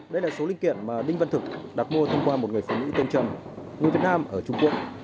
đây là số linh kiện mà đinh văn thực đặt mua thông qua một người phụ nữ tên trần người việt nam ở trung quốc